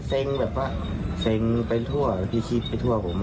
เซ็งแบบว่าเซ็งไปทั่วพี่ชีพไปทั่วผม